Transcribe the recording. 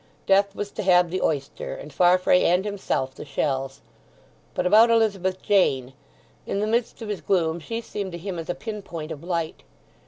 Death was to have the oyster, and Farfrae and himself the shells. But about Elizabeth Jane; in the midst of his gloom she seemed to him as a pin point of light.